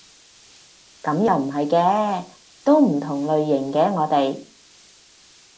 噉又唔係嘅，都唔同種類嘅我哋